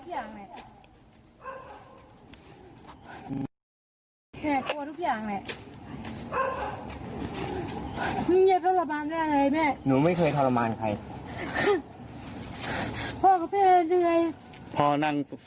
อยู่ดีป่ะอ๋อพี่น้องเคยเป็นพี่น้องเคยเป็น